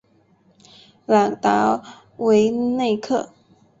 朗代韦内克。